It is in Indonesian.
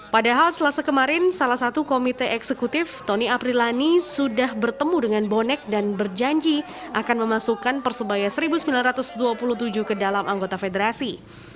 padahal selasa kemarin salah satu komite eksekutif tony aprilani sudah bertemu dengan bonek dan berjanji akan memasukkan persebaya seribu sembilan ratus dua puluh tujuh ke dalam anggota federasi